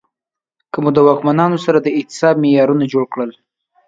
که مو د واکمنانو سره د احتساب معیارونه جوړ کړل